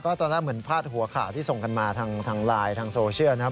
ตอนแรกเหมือนพาดหัวข่าวที่ส่งกันมาทางไลน์ทางโซเชียลนะครับ